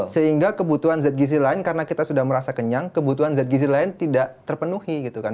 sehingga kebutuhan zat gizi lain karena kita sudah merasa kenyang kebutuhan zat gizi lain tidak terpenuhi gitu kan